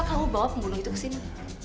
kamu bawa pembunuh itu ke sini